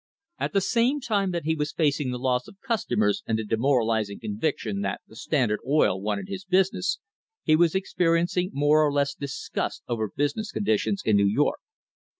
At the same time that he was facing the loss of customers and the demoral ising conviction that the Standard Oil Company wanted his business, he was experiencing more or less disgust over busi ness conditions in New York.